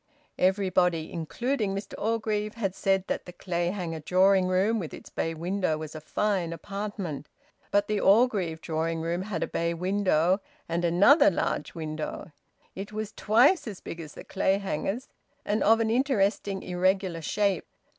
Everybody, including Mr Orgreave, had said that the Clayhanger drawing room with its bay window was a fine apartment. But the Orgreave drawing room had a bay window and another large window; it was twice as big as the Clayhangers' and of an interesting irregular shape.